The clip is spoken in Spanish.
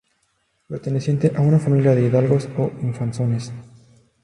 Perteneciente a una familia de hidalgos o infanzones.